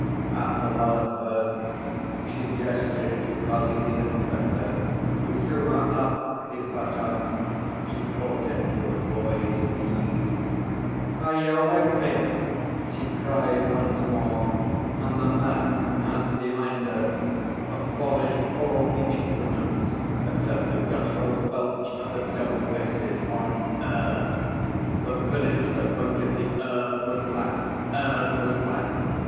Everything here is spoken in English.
At the last verse she gestured to Carlini the conductor, who threw her up his baton. She caught it with a boy's ease. 'Are you with me?' she cried once more, and the maddened house behind her abolished all the instruments except the guttural belch of the double basses on 'Earth' 'The Village that voted the Earth was flat Earth was flat!'